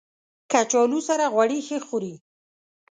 کچالو سره غوړي ښه خوري